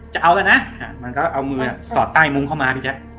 จะเอาแล้วนะมันก็เอามือสอดใต้มุ้งเข้ามาพี่แจ๊ค